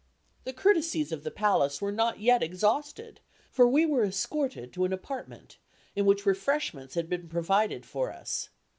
The courtesies of the Palace were not yet exhausted, for we were escorted to an apartment in which refreshments had been provided for us.